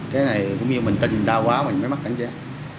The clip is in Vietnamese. cái này cũng như mình tin người ta quá mình mới mất cảnh giác